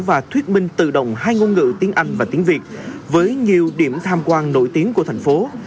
và thuyết minh tự động hai ngôn ngữ tiếng anh và tiếng việt với nhiều điểm tham quan nổi tiếng của thành phố